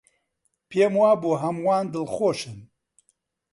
پێم وابوو هەمووان دڵخۆشن.